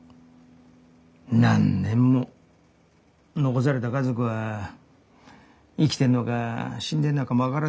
何年も残された家族は生きてんのか死んでんのかも分からずね。